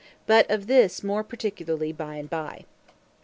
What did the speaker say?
But of this more particularly by and by.